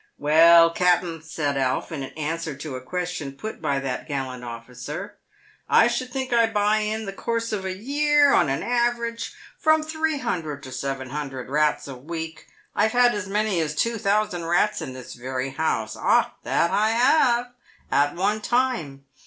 ""Well, cap'en," said Alf, in answer to a question put by that gallant officer, " I should think I buy in the course of the year, on an average, from three hundred to seven hundred rats a week. I've had as many as two thousand rats in this very house — ah, that I have !— at one time.